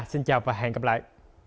xin chào và hẹn gặp lại